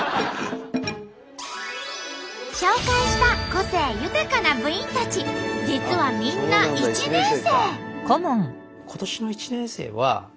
紹介した個性豊かな部員たち実はみんな１年生。